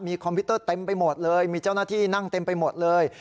คอมพิวเตอร์เต็มไปหมดเลยมีเจ้าหน้าที่นั่งเต็มไปหมดเลย